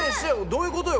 どういうことよ？